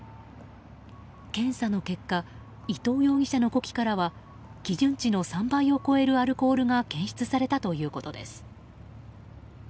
検査の結果伊東容疑者の呼気からは基準値の３倍を超えるアルコールが検出されたということです。